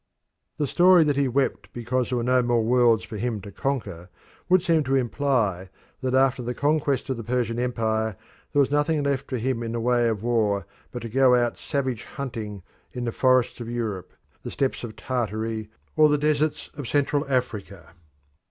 The story that he wept because there were no more worlds for him to conquer would seem to imply that after the conquest of the Persian empire there was nothing left for him in the way of war but to go out savage hunting in the forests of Europe, the steppes of Tartary, or the deserts of Central Africa.